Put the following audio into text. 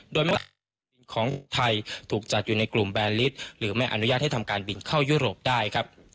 โดยไม่ว่าการบินของไทยถูกจัดอยู่ในกลุ่มแบนลิสหรือไม่อนุญาตให้ทำการบินเข้ายุโรปได้ครับ